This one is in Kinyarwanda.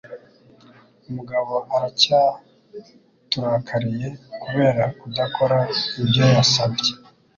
Mugabo aracyaturakariye kubera kudakora ibyo yasabye.